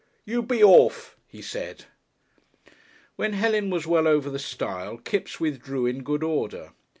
"You be orf!" he said.... When Helen was well over the stile Kipps withdrew in good order.